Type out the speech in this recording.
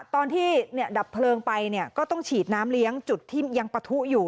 ตอนที่ดับเพลิงไปก็ต้องฉีดน้ำเลี้ยงจุดที่ยังปะทุอยู่